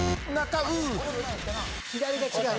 左が違う。